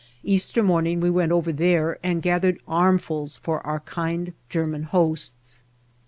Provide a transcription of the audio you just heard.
Easter morning we went over there and gathered armfuls for our kind German hosts.